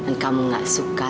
dan kamu nggak suka